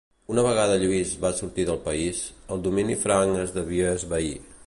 Una vegada Lluís va sortir del país, el domini franc es devia esvair.